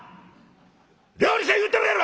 料理せえ言うてるやろ！」。